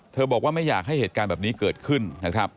บอกว่าไม่อยากให้เหตุการณ์แบบนี้เกิดขึ้นนะครับ